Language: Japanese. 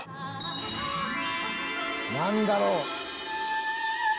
なんだろう？